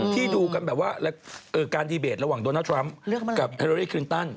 ที่ดูกันแบบว่าการดีเบตระหว่างโดนัลดทรัมป์กับแฮโลลี่คลินตัน